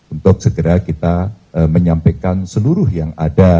untuk segera kita menyampaikan seluruh yang ada